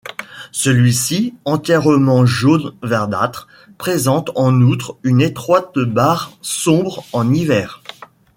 Celui-ci, entièrement jaune verdâtre, présente en outre une étroite barre sombre en hiver.